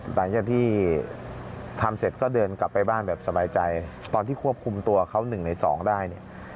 หลังจากที่ทำเสร็จก็เดินกลับไปบ้านแบบสบายใจตอนที่ควบคุมตัวเขา๑ใน๒ได้เนี่ย